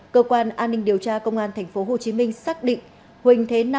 cơ quan an ninh điều tra công an tp hcm xác định huỳnh thế năng sinh năm một nghìn chín trăm năm mươi chín